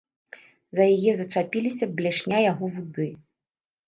За яе зачапілася блешня яго вуды.